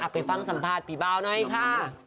ไปฟังสัมภาษณ์พี่เบาหน่อยค่ะ